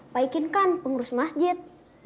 pak ikin kan pengurus masjid